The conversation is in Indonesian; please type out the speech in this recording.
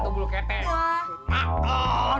bulu keteknya tiga lembar